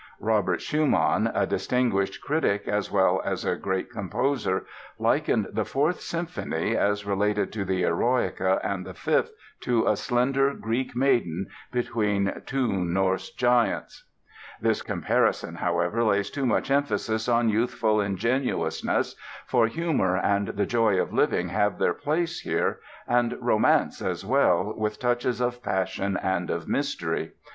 Robert Schumann, a distinguished critic as well as a great composer, likened the Fourth Symphony as related to the "Eroica" and the Fifth to "a slender Greek maiden between two Norse giants." This comparison, however, lays too much emphasis on youthful ingenuousness, for humor and the joy of living have their place here, and romance as well, with touches of passion and of mystery.